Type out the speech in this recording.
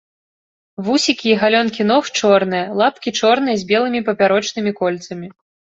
Вусікі і галёнкі ног чорныя, лапкі чорныя з белымі папярочнымі кольцамі.